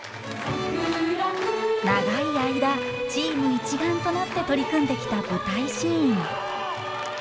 長い間チーム一丸となって取り組んできた舞台シーン。